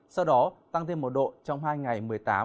sau đó tăng thêm một độ trong hai ngày một mươi tám một mươi chín